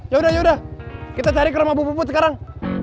yaudah yaudah kita cari ke rumah bu puput sekarang